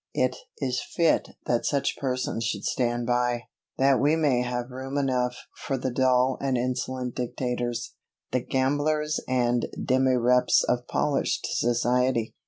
It is fit that such persons should stand by, that we may have room enough for the dull and insolent dictators, the gamblers and demireps of polished society!